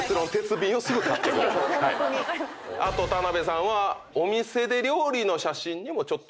あと田辺さんはお店で料理の写真にもこだわりが。